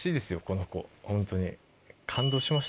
この子本当に。